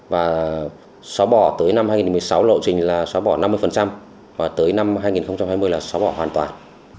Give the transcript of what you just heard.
và xóa bỏ tới năm hai nghìn một mươi sáu lộ trình là xóa bỏ năm mươi và tới năm hai nghìn hai mươi là xóa bỏ hoàn toàn